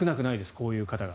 こういう方が。